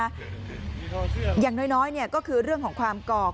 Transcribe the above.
แจ้งข้อกล่าวหาต่อไปนะฮะอย่างน้อยเนี่ยก็คือเรื่องของความกรอก